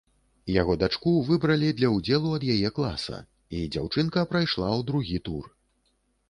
Яго дачку выбралі для ўдзелу ад яе класа, і дзяўчынка прайшла ў другі тур.